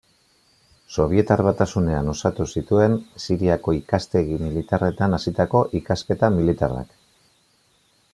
Sobietar Batasunean osatu zituen Siriako ikastegi militarretan hasitako ikasketa militarrak.